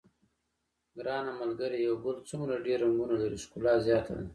ګرانه ملګریه یو ګل څومره ډېر رنګونه لري ښکلا زیاته ده.